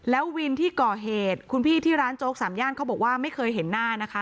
แล้ววินที่ก่อเหตุคุณพี่ที่ร้านโจ๊กสามย่านเขาบอกว่าไม่เคยเห็นหน้านะคะ